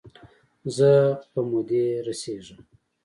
زه په مودې رسیږم